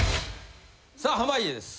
さあ濱家です。